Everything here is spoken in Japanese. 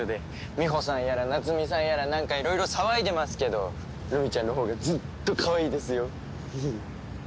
みほさんやら夏美さんやらなんかいろいろ騒いでますけどルミちゃんのほうがずっとかわいいですよ。